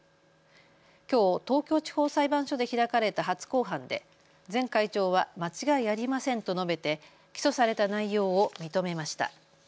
きょう東京地方裁判所で開かれた初公判で前会長は間違いありませんと述べて起訴された内容を認めました。